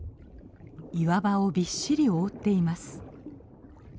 岩場をびっしり覆っています。